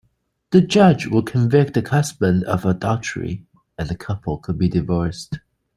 The judge would convict the husband of adultery, and the couple could be divorced.